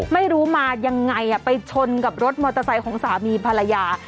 ไม่รู้มายังไงไปชนกับรถมอเตอร์ไซค์ของสามีภรรยา